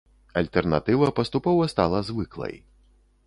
Альтэрнатыва паступова стала звыклай.